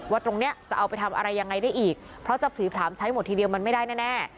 ตรงนี้จะเอาไปทำอะไรยังไงได้อีกเพราะจะผลีผลามใช้หมดทีเดียวมันไม่ได้แน่